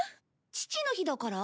父の日だから？